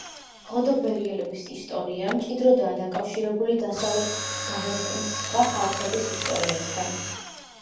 ღოდობერიელების ისტორია მჭიდროდაა დაკავშირებული დასავლეთ დაღესტნის სხვა ხალხების ისტორიასთან.